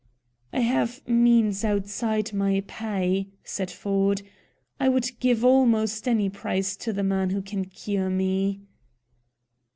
"I have means outside my pay," said Ford. "I would give almost any price to the man who can cure me."